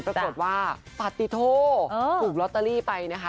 ปรากฏว่าปฏิโธถูกลอตเตอรี่ไปนะคะ